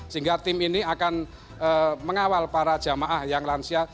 sehingga tim ini akan mengawal para jamaah yang lansia